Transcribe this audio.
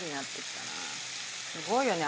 すごいよね。